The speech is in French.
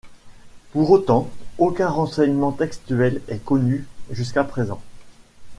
Pour autant, aucun renseignement textuel est connu jusqu'à présent.